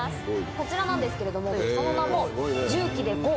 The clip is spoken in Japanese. こちらなんですけれども、その名も、重機でＧｏ。